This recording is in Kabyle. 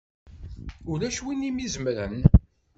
Ulac win i m-izemren!